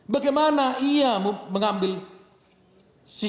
bagaimana ia mengambil cctv ini